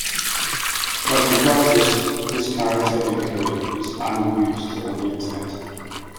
But in practice this character encoding is unused on the Internet.